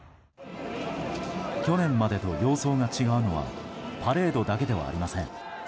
去年までと様相が違うのはパレードだけではありません。